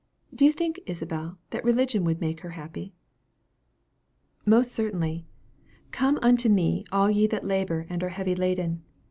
Do you think, Isabel, that religion would make her happy?" "Most certainly. 'Come unto me, all ye that labor and are heavy laden.